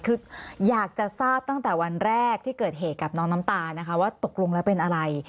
คืออยากจะทราบตั้งแต่วันแรกที่เกิดเหตุกับน้องน้ำตานะคะว่าตกลงแล้วเป็นอะไร